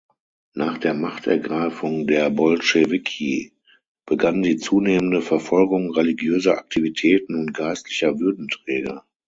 Nach der Machtergreifung der Bolschewiki begann die zunehmende Verfolgung religiöser Aktivitäten und geistlicher Würdenträger.